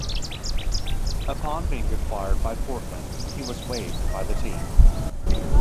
Upon being acquired by Portland, he was waived by the team.